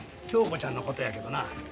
恭子ちゃんのことやけどな。